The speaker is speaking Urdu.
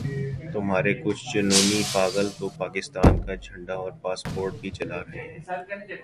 تمہارے کچھ جنونی پاگل تو پاکستان کا جھنڈا اور پاسپورٹ بھی جلا رہے ہیں۔